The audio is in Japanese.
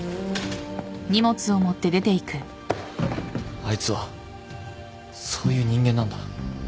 あいつはそういう人間なんだ。